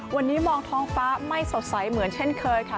วันนี้มองท้องฟ้าไม่สดใสเหมือนเช่นเคยค่ะ